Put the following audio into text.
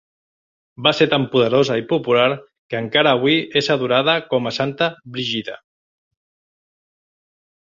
Va ser tan poderosa i popular que encara avui és adorada com a santa Brígida.